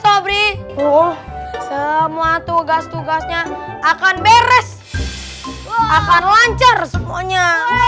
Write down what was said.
tobri semua tugas tugasnya akan beres akan lancar semuanya